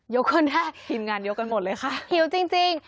ยกคนแท้หินงานยกกันหมดเลยค่ะหิวจริง